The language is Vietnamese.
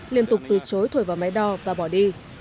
liên tục từ chối thổi vào máy đo và bỏ đi